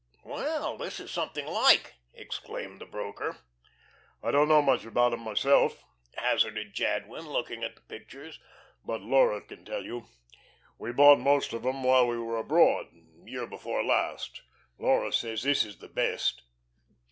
"Well, this is something like," exclaimed the broker. "I don't know much about 'em myself," hazarded Jadwin, looking at the pictures, "but Laura can tell you. We bought most of 'em while we were abroad, year before last. Laura says this is the best."